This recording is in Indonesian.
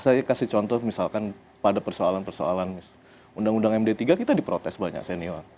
saya kasih contoh misalkan pada persoalan persoalan undang undang md tiga kita diprotes banyak senior